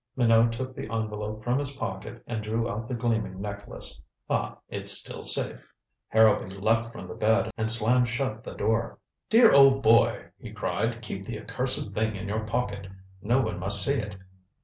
Minot took the envelope from his pocket and drew out the gleaming necklace. "Ah, it's still safe " Harrowby leaped from the bed and slammed shut the door. "Dear old boy," he cried, "keep the accursed thing in your pocket. No one must see it.